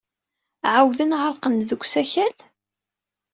Ɛawden ɛerqen deg usakal?